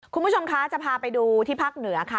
คุณผู้ชมคะจะพาไปดูที่ภาคเหนือค่ะ